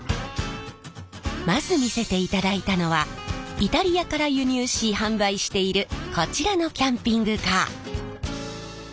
まず見せていただいたのはイタリアから輸入し販売しているこちらのキャンピングカー。